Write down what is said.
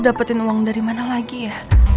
dapetin uang dari mana lagi ya